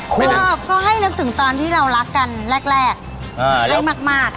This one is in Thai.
ชอบก็ให้นึกถึงตอนที่เรารักกันแรกให้มาก